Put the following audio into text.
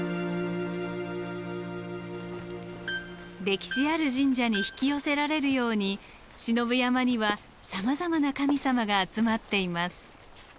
歴史ある神社に引き寄せられるように信夫山にはさまざまな神様が集まっています。